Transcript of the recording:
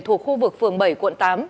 thuộc khu vực phường bảy quận tám